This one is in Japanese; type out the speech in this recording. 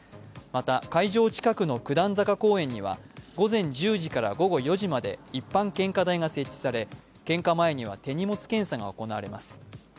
また会場近くの九段坂公園には午前１０時から午後４時まで一般献花台が設置され、献花前には手荷物検査が行われます。